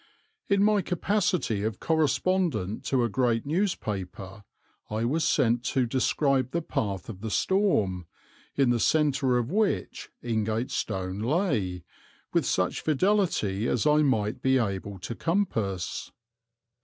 In my capacity of correspondent to a great newspaper I was sent to describe the path of the storm, in the centre of which Ingatestone lay, with such fidelity as I might be able to compass.